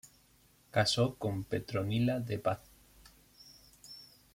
Casó con Petronila de Paz.